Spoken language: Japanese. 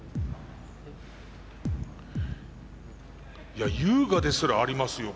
いや優雅ですらありますよ